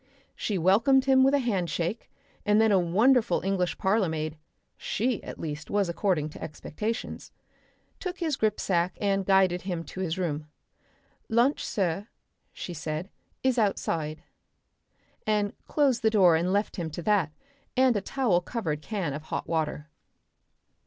She welcomed him with a handshake, and then a wonderful English parlourmaid she at least was according to expectations took his grip sack and guided him to his room. "Lunch, sir," she said, "is outside," and closed the door and left him to that and a towel covered can of hot water.